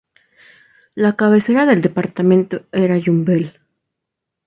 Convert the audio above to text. La cabecera del departamento era Yumbel.